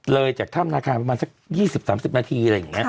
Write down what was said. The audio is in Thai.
เลยจากถ้ามนาคารประมาณสัก๒๐๓๐นาที